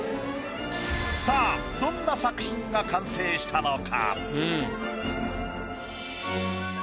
さあどんな作品が完成したのか？